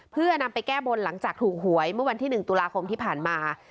เพื่อนำไปแก้บนหลังจากถูกหวยเมื่อวันที่๑ตุลาคมที่ผ่านมา